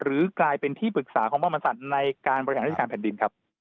หรือปรุงเกาะเป็นที่ปรึกษาของพระมันศัตริย์ในการประสาธิตการแผ่นดิน